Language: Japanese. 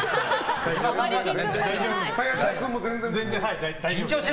大丈夫です。